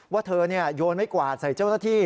ว่าเธอโยนไม้กวาดใส่เจ้าหน้าที่